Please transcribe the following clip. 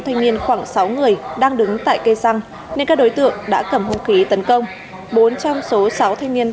thanh niên khoảng sáu người đang đứng tại cây xăng nên các đối tượng đã cầm hung khí tấn công bốn trong số sáu thanh niên